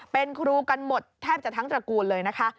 เป็นครูกันหมดแทบจะทั้งตระกูลเลยนะคะ